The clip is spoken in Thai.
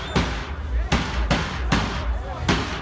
มันอาจจะไม่เอาเห็น